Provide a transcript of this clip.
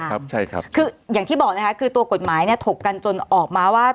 ครับใช่ครับคืออย่างที่บอกนะคะคือตัวกฎหมายเนี่ยถกกันจนออกมาว่า